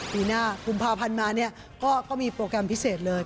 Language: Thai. ปีหน้ากุมภาพันธ์มาเนี่ยก็มีโปรแกรมพิเศษเลย